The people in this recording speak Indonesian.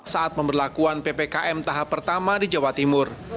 saat pemberlakuan ppkm tahap pertama di jawa timur